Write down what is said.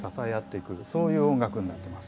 そういう音楽になってます。